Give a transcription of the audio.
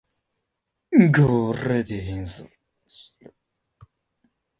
これで変装しろ。